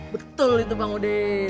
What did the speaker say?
betul itu bang udin